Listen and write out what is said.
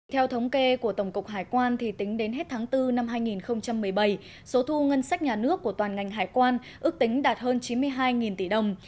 theo thống kê của tổng cục hải quan tính đến hết tháng bốn năm hai nghìn một mươi bảy số thu ngân sách nhà nước của toàn ngành hải quan ước tính đạt hơn chín mươi hai tỷ đồng